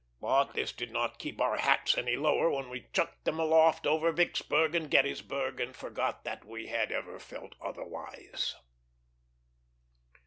But this did not keep our hats any lower when we chucked them aloft over Vicksburg and Gettysburg, and forgot that we had ever felt otherwise.